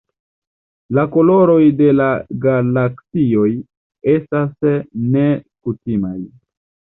La koloroj de la galaksioj estas nekutimaj.